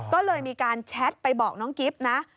ก็เลยมีการแชทไปบอกน้องกิ๊บนะ